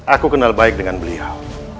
aku kenal baik dengan beliau